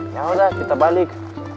ya udah kita balik